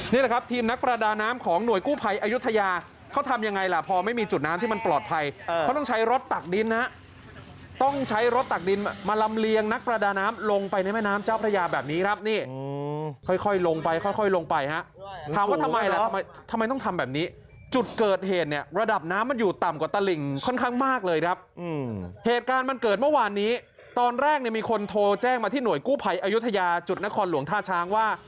นี่แหละครับทีมนักประดาน้ำของหน่วยกู้ภัยอายุทยาเขาทำยังไงล่ะพอไม่มีจุดน้ำที่มันปลอดภัยเขาต้องใช้รถตักดินนะต้องใช้รถตักดินมาลำเลียงนักประดาน้ำลงไปในแม่น้ำเจ้าประยาแบบนี้ครับนี่ค่อยลงไปค่อยลงไปฮะถามว่าทำไมล่ะทำไมทำไมต้องทำแบบนี้จุดเกิดเหตุเนี่ยระดับน้ำมันอยู่ต่ำกว่าตะ